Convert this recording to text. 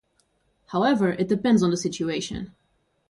However, it depends on the situation.